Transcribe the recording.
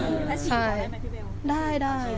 พระชีพระชีก็ได้ไหมพี่เบล